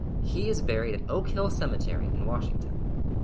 He is buried at Oak Hill Cemetery in Washington.